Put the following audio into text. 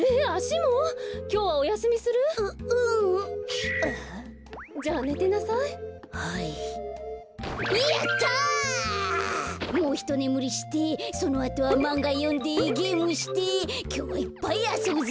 もうひとねむりしてそのあとはまんがよんでゲームしてきょうはいっぱいあそぶぞ！